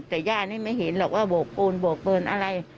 แต่ย่านี่ไม่เห็นหรอกว่าโบกปูนโบกปืนอะไร